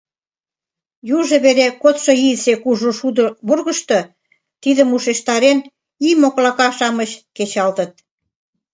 Южо вере кодшо ийысе кужу шудо вургышто, тидым ушештарен, ий моклака-шамыч кечылтыт.